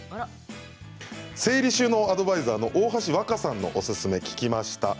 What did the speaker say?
整理収納アドバイザーの大橋わかさんのおすすめを聞きました。